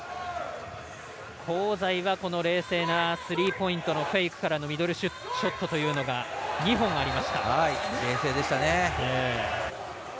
香西はこの冷静なスリーポイントミドルショットというのが２本ありました。